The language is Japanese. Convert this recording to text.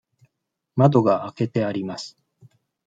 窓が開けてあります。